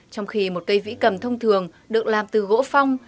trong khi một cây vĩ cầm thông thường được làm từ gỗ phong